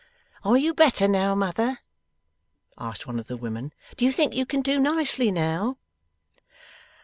'Are you better now, mother?' asked one of the women. 'Do you think you can do nicely now?